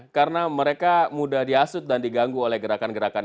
karena mereka mudah diasut dan diganggu oleh gerakan gerakan